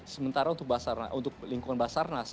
sementara untuk lingkungan basarnas